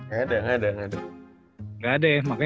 gak ada gak ada gak ada